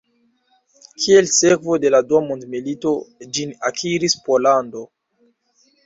Kiel sekvo de la Dua mondmilito, ĝin akiris Pollando.